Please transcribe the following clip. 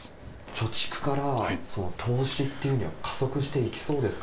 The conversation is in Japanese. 貯蓄から投資っていうのは加速していきそうですか？